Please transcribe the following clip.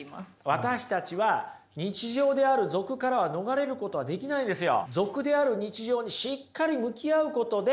私たちは日常である俗からは逃れることはできないんですよ。